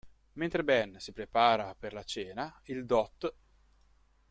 Mentre Ben si prepara per la cena, il dott.